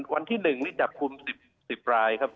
วันที่๑จับกลุ้มมี๑๐รายครับ